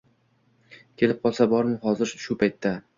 Kelib qolsa bormi, hozir… shu paytda…